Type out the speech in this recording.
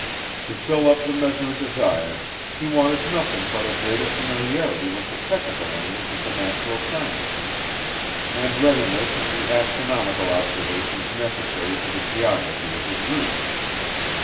To fill up the measure desired, he wanted nothing but a greater familiarity with the technical language of the natural sciences, and readiness in the astronomical observations necessary for the geography of his route.